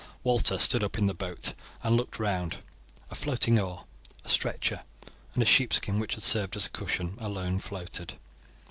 Walter stood up in the boat and looked round. A floating oar, a stretcher, and a sheepskin which had served as a cushion, alone floated.